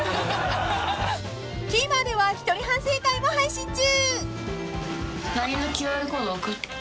［ＴＶｅｒでは一人反省会も配信中］